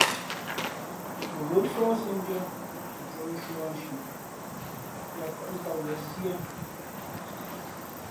O bά nsǒh siēndʉ̄ᾱ, ǒ ncōh nshū ā nshi yāʼpάʼ tām wen síé.